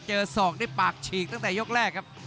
ศอกได้ปากฉีกตั้งแต่ยกแรกครับ